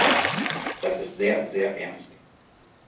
Das ist sehr, sehr ernst.